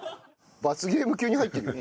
罰ゲーム級に入っていく。